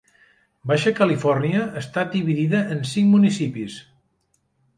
Baixa Califòrnia està dividida en cinc municipis.